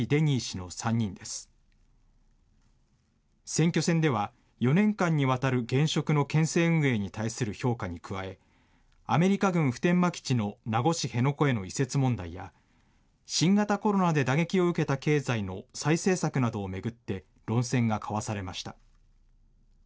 選挙戦では、４年間にわたる現職の県政運営に対する評価に加え、アメリカ軍普天間基地の名護市辺野古への移設問題や新型コロナで打撃を受けた経済の再生策などを巡って論戦が交わされました。